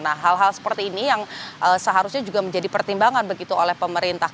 nah hal hal seperti ini yang seharusnya juga menjadi pertimbangan begitu oleh pemerintah